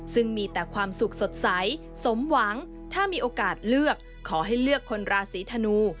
ซึ่งมีแต่ความสุขสดใสสมหวังถ้ามีโอกาสเลือกขอให้เลือกคนราศีธนู